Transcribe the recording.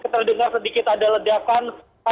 terdengar sedikit ada ledakan